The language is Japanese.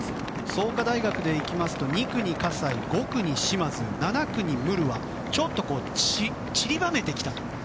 創価大学ですと２区に葛西５区に嶋津、７区にムルワちょっと散りばめてきたと。